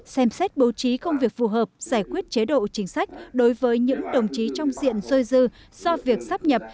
xem xét bố trí công việc phù hợp giải quyết chế độ chính sách đối với những đồng chí trong diện rơi dư do việc sắp nhập